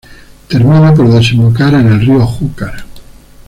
Termina por desembocar en el río Júcar.